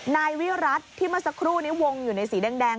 นายวิรัติที่เมื่อสักครู่นี้วงอยู่ในสีแดง